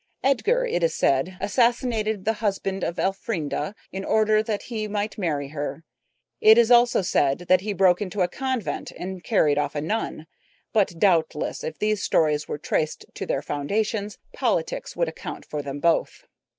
Edgar, it is said, assassinated the husband of Elfrida in order that he might marry her. It is also said that he broke into a convent and carried off a nun; but doubtless if these stories were traced to their very foundations, politics would account for them both.